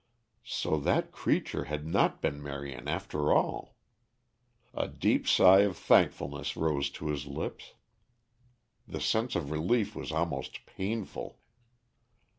So that creature had not been Marion after all. A deep sigh of thankfulness rose to his lips. The sense of relief was almost painful.